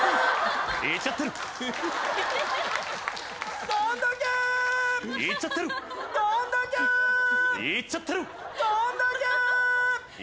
いっちゃってるー。